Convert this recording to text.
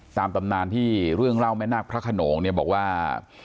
ตำนานที่เรื่องเล่าแม่นาคพระขนงเนี่ยบอกว่า